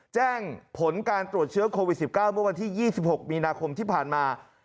แจ้งผลการตรวจเชื้อโควิด๑๙เมื่อวันที่๒๖มีนาคมที่ผ่านมา